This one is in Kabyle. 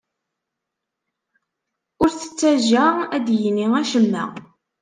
Ur t-ttajja ad d-yini acemma.